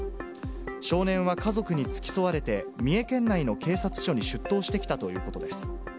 少年は家族に付き添われて、三重県内の警察署に出頭してきたということです。